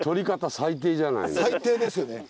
最低ですよね。